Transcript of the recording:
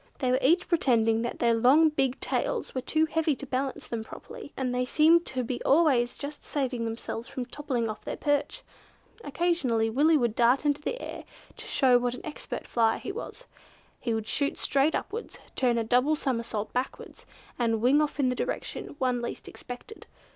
They were each pretending that their long big tails were too heavy to balance them properly, and they seemed to be always just saving themselves from toppling off their perch. Occasionally Willy would dart into the air, to show what an expert flyer he was; he would shoot straight upwards, turn a double somersault backwards, and wing off in the direction one least expected.